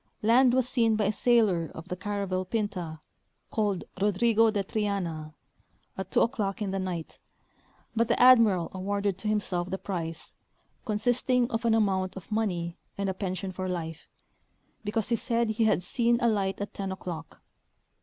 Land Avas seen by a sailor of the caravel Pinta, called Rodrigo de Triana, at 2 o'clock in the night, but the ad miral awarded to himself the prize, consisting of an amount of money and a pension for life, because he said he had seen a light at 10 o'clock.